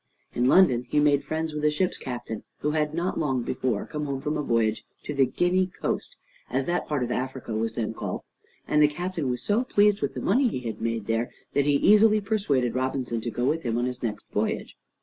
In London he made friends with a ship's captain, who had not long before come home from a voyage to the Guinea Coast, as that part of Africa was then called; and the Captain was so pleased with the money he had made there, that he easily persuaded Robinson to go with him on his next voyage.